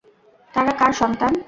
তারা কার সন্তান?